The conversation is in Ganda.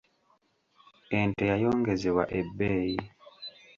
Ente yayongezebwa ebbeeyi .